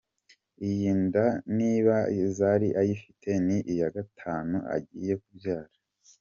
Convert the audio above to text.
Iyi nda niba Zari ayifite ni iya gatanu agiye kubyara.